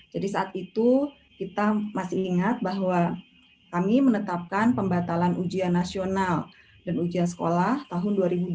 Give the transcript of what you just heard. jadi saat itu kita masih ingat bahwa kami menetapkan pembatalan ujian nasional dan ujian sekolah tahun dua ribu dua puluh